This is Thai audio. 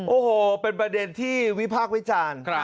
โอ้โหเป็นประเด็นที่วิพากษ์วิจารณ์